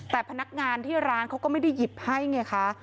แต่พนักงานที่ร้านเขาก็ไม่ได้หยิบให้ไงคะ